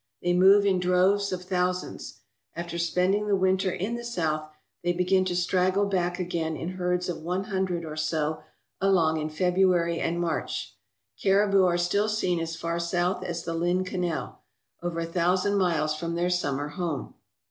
They move in droves of thousands. After spending the winter in the south, they begin to straggle back again in herds of one hundred or so along in February and March. Caribou are still seen as far south as the Lynn Canal, over a thousand miles from their summer home.